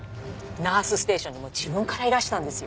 ナースステーションにも自分からいらしたんですよ。